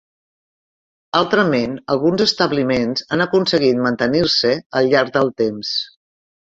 Altrament, alguns establiments han aconseguit mantenir-se al llarg del temps.